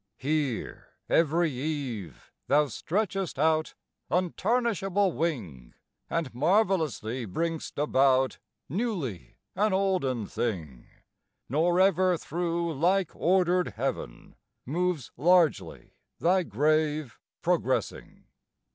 Here every eve thou stretchest out Untarnishable wing, And marvellously bring'st about Newly an olden thing; Nor ever through like ordered heaven Moves largely thy grave progressing.